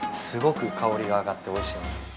すごく香りが上がっておいしいんです。